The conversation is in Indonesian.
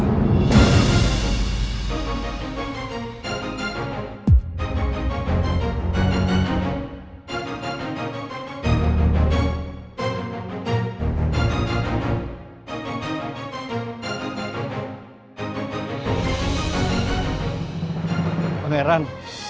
pangeran tunggu pangeran